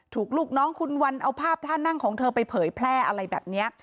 ลูกน้องคุณวันเอาภาพท่านั่งของเธอไปเผยแพร่อะไรแบบนี้